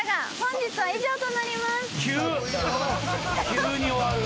急に終わる。